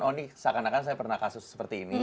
oh ini seakan akan saya pernah kasus seperti ini